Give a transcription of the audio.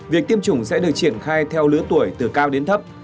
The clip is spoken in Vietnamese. việc tiêm chủng sẽ được triển khai theo lứa tuổi từ cao đến thấp